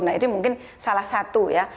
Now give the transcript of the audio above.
nah ini mungkin salah satu ya